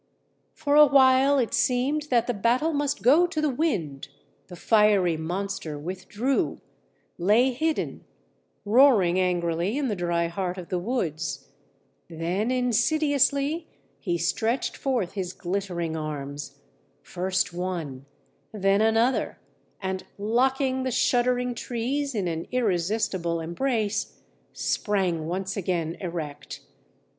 _ "For a while it seemed that the battle must go to the wind, the fiery monster withdrew, lay hidden, roaring angrily in the dry heart of the woods; then insidiously he stretched forth his glittering arms, first one, then another, and locking the shuddering trees in an irresistible embrace, sprang once again erect.